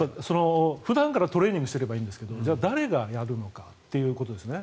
普段からトレーニングしていればいいんですけどじゃあ、誰がやるのかということですね。